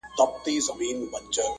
زه باوري یم چې دروېش درانی صاحب